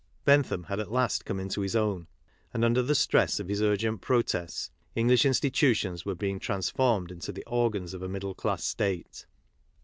Bentham had at last come into his own; and, under the stress of his urgent protests English institu tions were being transformed into the organs of a middle class state.